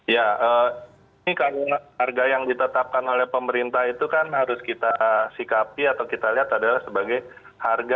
ya ini karena harga yang ditetapkan oleh pemerintah itu kan harus kita sikapi atau kita lihat adalah sebagai harga